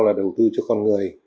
là đầu tư cho con người